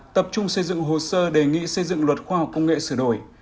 tập trung xây dựng hồ sơ đề nghị xây dựng luật khoa học công nghệ sửa đổi